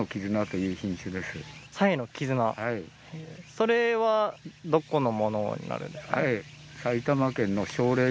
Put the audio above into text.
それはどこのものになるんですか？